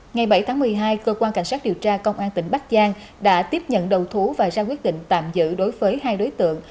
ngày bảy tháng một mươi hai cơ quan cảnh sát điều tra công an tỉnh bắc giang đã tiếp nhận đầu thú và ra quyết định tạm giữ đối với hai đối tượng